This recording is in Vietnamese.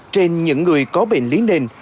trên những người có bệnh lý nền